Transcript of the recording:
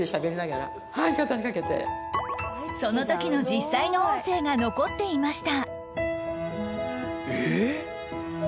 その時の実際の音声が残っていました